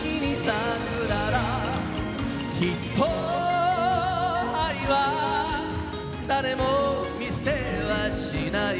きっと愛は誰も見捨てはしない